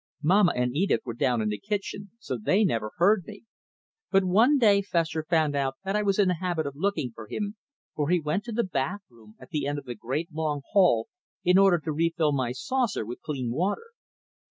Mamma and Edith were down in the kitchen, so they never heard me; but one day Fessor found out that I was in the habit of looking for him, for he went to the bath room at the end of the great, long hall in order to refill my saucer with clean water.